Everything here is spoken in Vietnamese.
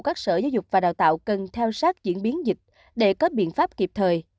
các sở giáo dục và đào tạo cần theo sát diễn biến dịch để có biện pháp kịp thời